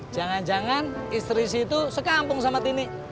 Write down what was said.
jangan jangan istri si itu sekampung sama tini